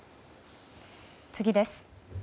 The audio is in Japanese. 次です。